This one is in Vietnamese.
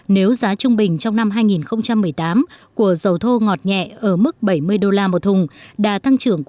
nếu giá trung bình trong năm hai nghìn một mươi tám của dầu thô ngọt nhẹ ở mức bảy mươi đô la một thùng